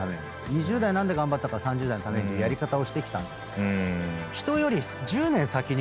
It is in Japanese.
２０代は何で頑張ったか３０代のためにというやり方をしてきたんです。